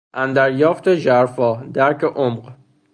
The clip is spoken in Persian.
اندریافت ژرفا، درک عمق